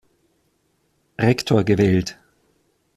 Rektor gewählt.